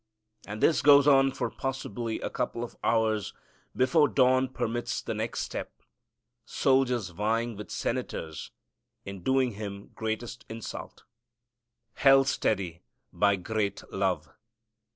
And this goes on for possibly a couple of hours before dawn permits the next step, soldiers vying with senators in doing Him greatest insult. Held Steady by Great Love.